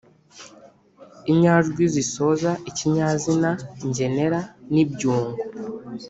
inyajwi zisoza ikinyazina ngenera n ibyungo